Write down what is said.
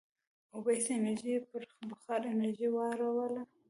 اوبیزه انرژي یې پر بخار انرژۍ واړوله.